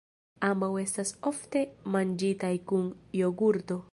Ambaŭ estas ofte manĝitaj kun jogurto.